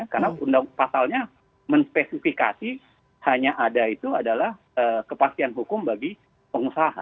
karena pasalnya men spesifikasi hanya ada itu adalah kepastian hukum bagi pengusaha